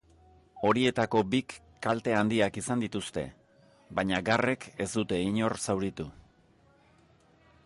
Horietako bik kalte handiak izan dituzte, baina garrek ez dute inor zauritu.